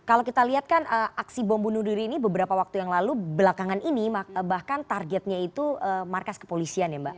kalau kita lihat kan aksi bom bunuh diri ini beberapa waktu yang lalu belakangan ini bahkan targetnya itu markas kepolisian ya mbak